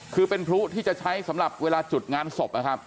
คือเป็นพลุที่จะใช้สำหรับเวลาจุดงานศพนะครับ